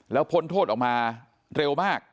แล้วพ้นโทษออกมาเร็วมาก